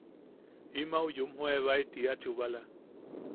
Im au yumjoebae tiia chubala.